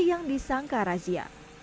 yang disangka razia